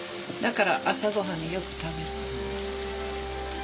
だから朝ごはんによく食べる。